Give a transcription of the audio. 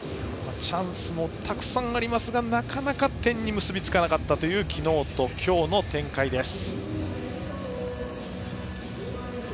チャンスもたくさんありますがなかなか点に結びつかなかった昨日と今日の展開です。